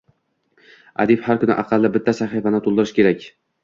adib har kuni aqalli bitta sahifani to’ldirishi kerak